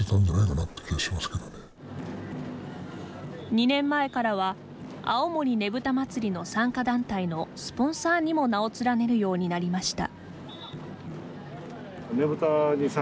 ２年前からは青森ねぶた祭の参加団体のスポンサーにも名を連ねるようになりました。